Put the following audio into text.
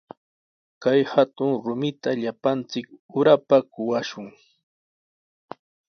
Kay hatun rumita llapanchik urapa kumashun.